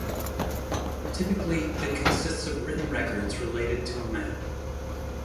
Typically, it consists of written records related to a map.